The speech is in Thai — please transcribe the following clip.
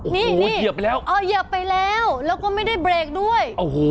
นี่นี่เหยียบไปแล้วอ๋อเหยียบไปแล้วแล้วก็ไม่ได้เบรกด้วยโอ้โห